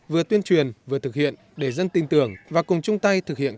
vừa tuyên truyền vừa thực hiện để dân tin tưởng và cùng chung tay thực hiện